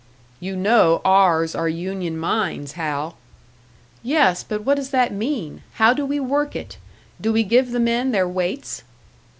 "You know ours are union mines, Hal " "Yes, but what does that mean? How do we work it? Do we give the men their weights?"